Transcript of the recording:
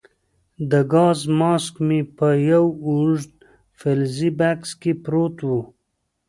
د ګاز ماسک مې په یو اوږد فلزي بکس کې پروت وو.